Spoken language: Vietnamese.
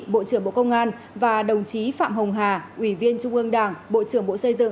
bộ trưởng bộ công an và đồng chí phạm hồng hà ủy viên trung ương đảng bộ trưởng bộ xây dựng